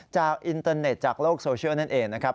อินเตอร์เน็ตจากโลกโซเชียลนั่นเองนะครับ